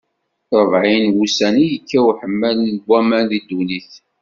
Ṛebɛin n wussan i yekka uḥemmal n waman di ddunit.